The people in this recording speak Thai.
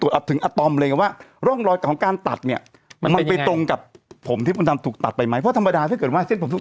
สรุปแล้วถูกตัดตรงไหม